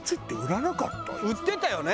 売ってたよね。